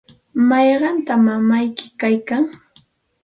¿mayqantaq mamayki kaykan?